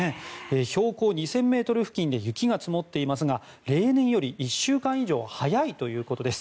標高２０００ｍ付近で雪が積もっていますが例年より１週間以上早いということです。